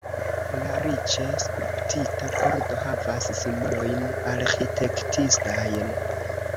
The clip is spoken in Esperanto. La riĉe skulptita pordo havas simbolojn arĥitektistajn.